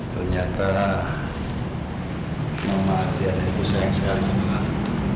ternyata mama adriana itu sayang sekali sama aku